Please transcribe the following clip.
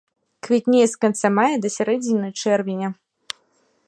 Квітнее з канца мая да сярэдзіны чэрвеня.